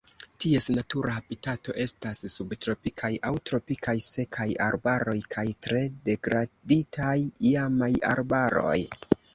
Ties natura habitato estas subtropikaj aŭ tropikaj sekaj arbaroj kaj tre degraditaj iamaj arbaroj.